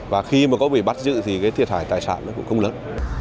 và khi mà có bị bắt giữ thì thiệt hại tài sản cũng không lớn